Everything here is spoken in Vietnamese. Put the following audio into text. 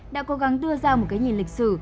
đã cố gắng đưa ra một cái nhìn lịch sử